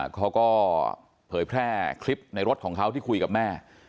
เขาก็เผยแพร่คลิปในรถของเขาที่คุยกับแม่